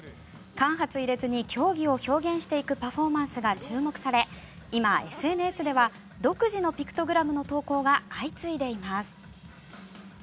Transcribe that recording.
間髪入れずに競技を表現していくパフォーマンスが注目され今、ＳＮＳでは独自のピクトグラムの投稿が相次いでいます。